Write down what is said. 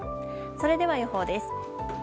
それでは予報です。